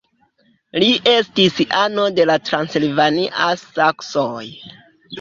Li estis ano de la transilvaniaj saksoj.